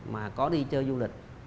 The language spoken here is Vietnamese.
mà có đi chơi du lịch